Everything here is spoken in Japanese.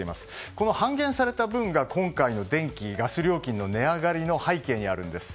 この半減された分が、今回の電気・ガス料金の値上がりの背景にあるんです。